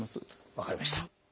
分かりました。